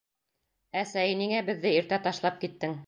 — Әсәй, ниңә беҙҙе иртә ташлап киттең?